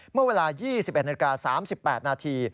เมื่อเวลา๒๑นาฬิกา๓๘นาที